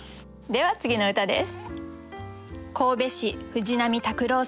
では次の歌です。